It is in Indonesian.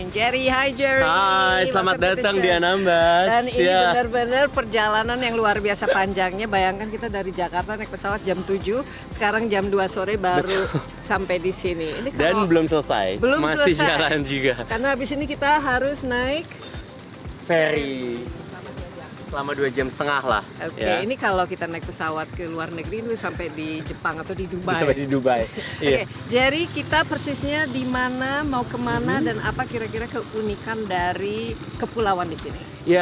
jerry kita mau kemana dan apa kira kira keunikan dari kepulauan di sini